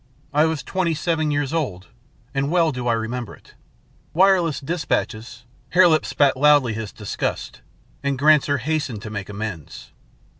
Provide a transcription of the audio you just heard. I was twenty seven years old, and well do I remember it. Wireless despatches " Hare Lip spat loudly his disgust, and Granser hastened to make amends.